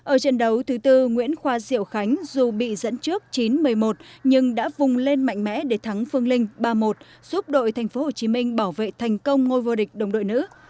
ở trận đấu thứ bốn nguyễn khoa diệu khánh dù bị dẫn trước chín một mươi một nhưng đã vùng lên mạnh mẽ để thắng phương linh ba một giúp đội tp hcm bảo vệ thành công ngôi vô địch đồng đội nữ